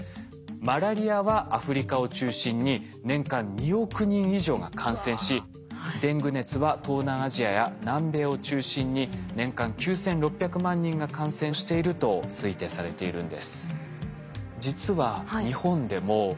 マラリアはアフリカを中心に年間２億人以上が感染しデング熱は東南アジアや南米を中心に年間９，６００万人が感染していると推定されているんです。